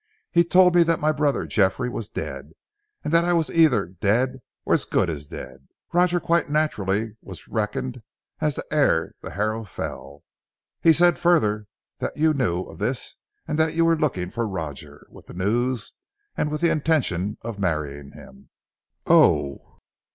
"He told me that my brother Geoffrey was dead, and that as I was either dead or as good as dead, Roger quite naturally was reckoned as the heir to Harrow Fell. He said further that you knew of this and that you were looking for Roger with the news and with the intention of marrying him." "Oh!"